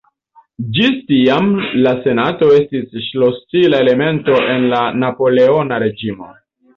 Ĝis tiam la Senato estis ŝlosila elemento en la Napoleona reĝimo.